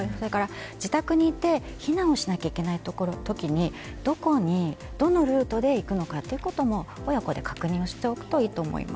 自宅にいて避難をしなきゃいけない時にどこにどのルートで行くのかということも親子で確認しておくといいと思います。